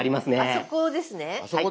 あそこですね。